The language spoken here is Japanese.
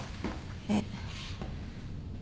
えっ？